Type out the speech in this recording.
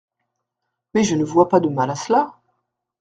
Mais je ne vois pas de mal à cela…